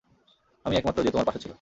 আমিই একমাত্র যে তোমার পাশে ছিল।